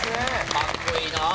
かっこいいなあ。